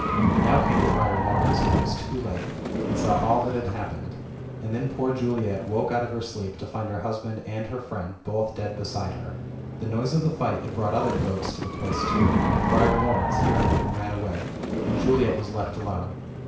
Now came Friar Laurence when it was too late, and saw all that had happened — and then poor Juliet woke out of her sleep to find her husband and her friend both dead beside her. The noise of the fight had brought other folks to the place too. and Friar Laurence hearing them ran away, and Juliet was left alone.